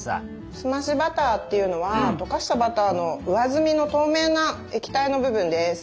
澄ましバターっていうのはとかしたバターの上澄みの透明な液体の部分です。